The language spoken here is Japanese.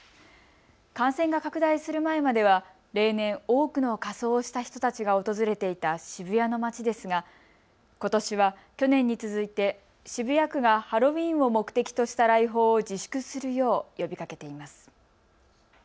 感染が拡大する前までは例年、多くの仮装をした人たちが訪れていた渋谷の街ですがことしは去年に続いて渋谷区がハロウィーンを目的とした来訪を自粛するよう呼びかけています。